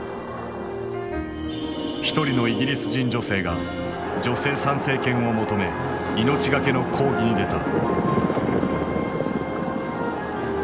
一人のイギリス人女性が女性参政権を求め命がけの抗議に出た。